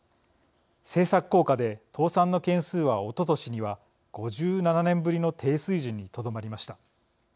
政策効果で倒産の件数はおととしには５７年ぶりの低水準にとどまりました。